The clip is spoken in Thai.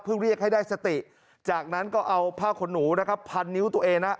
เพื่อเรียกให้ได้สติจากนั้นก็เอาผ้าขนหนูนะครับพันนิ้วตัวเองนะ